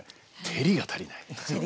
照りが足りない。